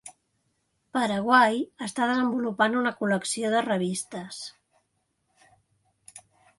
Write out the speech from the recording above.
Paraguai està desenvolupant una col·lecció de revistes.